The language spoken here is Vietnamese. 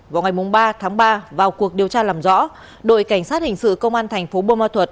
vào ngày ba tháng ba vào cuộc điều tra làm rõ đội cảnh sát hình sự công an thành phố bô ma thuật